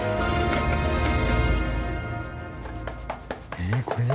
えっこれで？